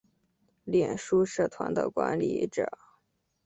脸书社团的管理者